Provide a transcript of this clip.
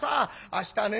明日ね